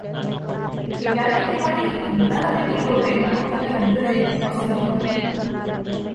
याने एके काळी इंद्राला जिंकले होते म्हणून याला इंद्रजित असेही म्हणत.